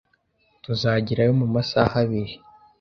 Tuzagerayo mu masaha abiri.